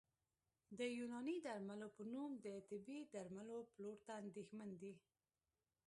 د یوناني درملو په نوم د طبي درملو پلور ته اندېښمن دي